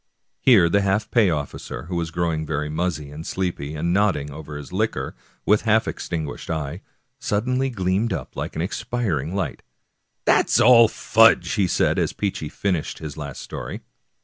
Here the half pay officer, who was growing very muzzy and sleepy, and nodding over his Hquor, with half extin guished eye, suddenly gleamed up like an expiring rush light. " That's all fudge !" said he, as Peechy finished his last story.